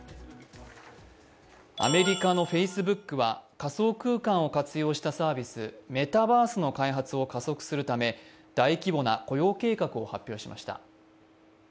アメリカのＦａｃｅｂｏｏｋは仮想空間を活用したサービス、メタバースの開発を加速するため、大規模な雇用計画を発表しました。